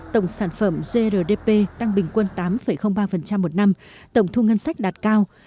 tổng sản phẩm grdp tăng bình quân tám ba một năm tổng thu ngân sách đạt cao